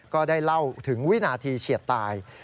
ก็ได้เล่าถึงวินาทีเฉียดตาย